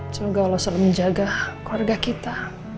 semoga allah selalu menjaga keluarga kita